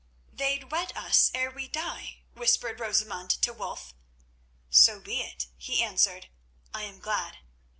"They'd wed us ere we die," whispered Rosamund to Wulf. "So be it," he answered; "I am glad."